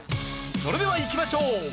それではいきましょう！